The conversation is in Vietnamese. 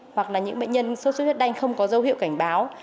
hoặc là những bệnh nhân suốt suốt huyết đanh không có dấu hiệu cảnh báo